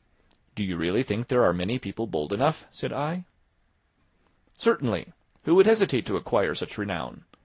"Do you really think there are many people bold enough?" said I. "Certainly; who would hesitate to acquire such renown?